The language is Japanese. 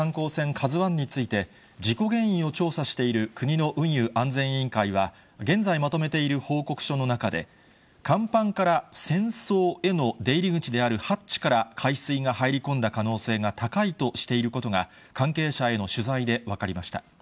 ＫＡＺＵＩについて、事故原因を調査している国の運輸安全委員会は、現在まとめている報告書の中で、甲板から船倉への出入り口であるハッチから海水が入り込んだ可能性が高いとしていることが、関係者への取材で分かりました。